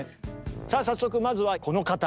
さあ早速まずはこの方。